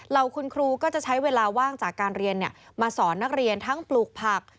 เราคุณครูก็จะใช้เวลาว่างจากการเรียนมาสอนนักเรียนทั้งปลูกผัก